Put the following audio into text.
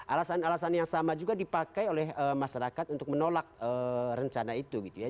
alasan alasan yang sama juga dipakai oleh masyarakat untuk menolak rencana itu gitu ya